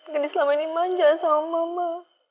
geni selama ini manja sama mama